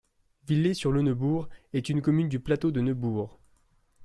Villez-sur-le-Neubourg est une commune du plateau du Neubourg.